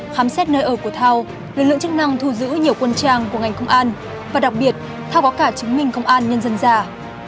khám xét nơi ở của thao lực lượng chức năng thu giữ nhiều quân trang của ngành công an và đặc biệt thao có cả chứng minh công an nhân dân giả